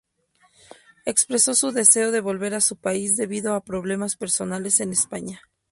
Expresó su deseo de volver a su país debido a problemas personales en España.